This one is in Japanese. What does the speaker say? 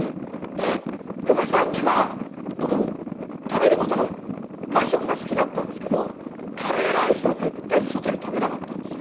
で嫁さんには僕食べる事が外食が好きだったんですけどカレーライスは絶対外で食べなかったんです。